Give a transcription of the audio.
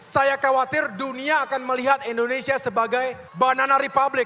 saya khawatir dunia akan melihat indonesia sebagai banana republik